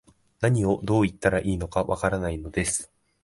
何を、どう言ったらいいのか、わからないのです